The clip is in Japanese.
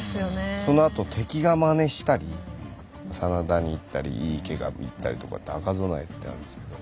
そのあと敵がまねしたり真田にいったり井伊家がいったりとかって赤備えってあるんですけど。